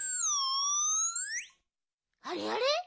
あれあれ？